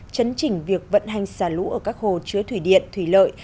chấn chỉnh việc vận hành xả lũ ở các hồ chứa thủy điện thủy lợi